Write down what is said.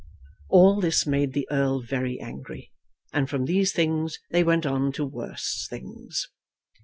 All this made the Earl very angry, and from these things they went on to worse things.